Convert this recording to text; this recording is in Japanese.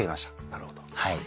なるほど。